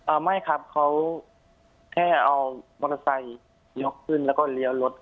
ไม่ครับเขาแค่เอามอเตอร์ไซค์ยกขึ้นแล้วก็เลี้ยวรถ